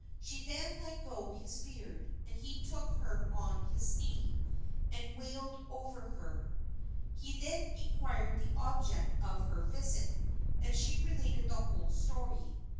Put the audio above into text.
She then let go his beard and he took her on his knee and wailed over her. He then inquired the object of her visit, and she related the whole story.